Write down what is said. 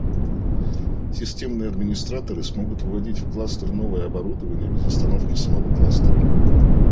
Системные администраторы смогут вводить в кластер новое оборудование без остановки самого кластера